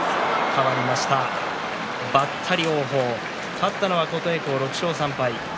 勝ったのは琴恵光、６勝３敗。